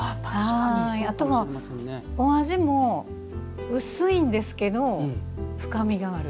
あとは、お味も薄いんですけど深みがある。